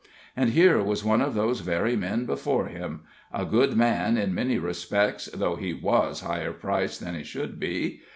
And here was one of those very men before him a good man in many respects, though he was higher priced than he should be.